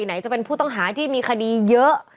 ไหนจะเป็นผู้ต้องหาที่มีคดีเยอะ